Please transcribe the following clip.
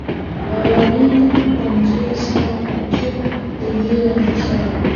wawalinde kwa njia sawa kwa njia iliyo sawa